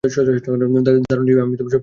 দারুণ, আমি সবসময়েই কয়েকটা ভাই চেয়েছিলাম।